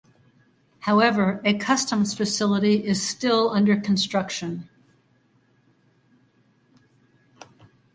However, a customs facility is still under construction.